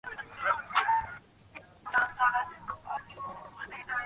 বিনোদিনী হাসিয়া কহিল, জোর কই করিলে, তাহা তো দেখিলাম না।